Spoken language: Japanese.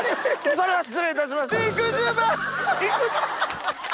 それは失礼いたしました！